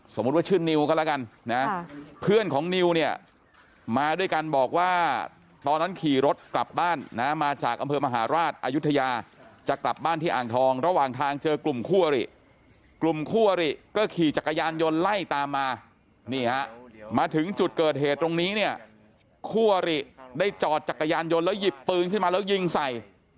ว่าชื่อนิวก็แล้วกันนะเพื่อนของนิวเนี่ยมาด้วยกันบอกว่าตอนนั้นขี่รถกลับบ้านนะมาจากอำเภอมหาราชอายุทยาจะกลับบ้านที่อ่างทองระหว่างทางเจอกลุ่มคู่อริกลุ่มคู่อริก็ขี่จักรยานยนต์ไล่ตามมานี่ฮะมาถึงจุดเกิดเหตุตรงนี้เนี่ยคู่อริได้จอดจักรยานยนต์แล้วหยิบปืนขึ้นมาแล้วยิงใส่